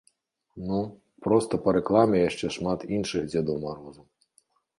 Ну, проста па рэкламе яшчэ шмат іншых дзедаў марозаў.